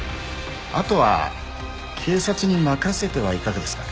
あとは警察に任せてはいかがですか？